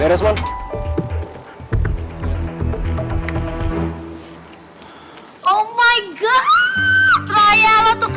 raya lo tuh keren banget